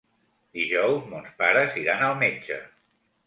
Dijous mons pares iran al metge.